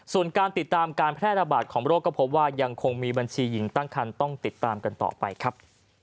ส่วนการติดตามการแพร่ระบาดของโรคก็พบว่ายังคงมีบัญชีหญิงตั้งคันต้องติดตามกันต่อไปครับ